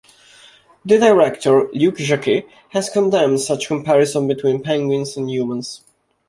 The director, Luc Jacquet, has condemned such comparisons between penguins and humans.